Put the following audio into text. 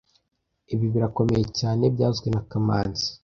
Ibi birakomeye cyane byavuzwe na kamanzi